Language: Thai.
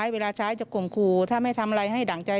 เวลาใช้จะข่มขู่ถ้าไม่ทำอะไรให้ดั่งใจ